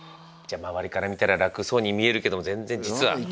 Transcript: じゃあ周りから見たら楽そうに見えるけども全然実は。